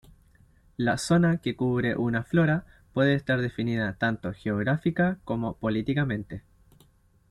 La zona que cubre una flora puede estar definida tanto geográfica como políticamente.